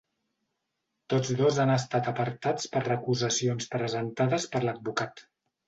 Tots dos han estat apartats per recusacions presentades per l’advocat.